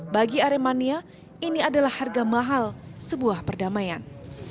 bagi aremania ini adalah harga mahal sebuah perdamaian